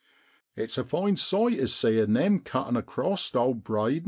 It's a fine sight is seein' them cuttin' acrost old Breydon.